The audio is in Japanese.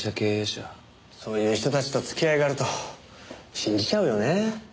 そういう人たちと付き合いがあると信じちゃうよね。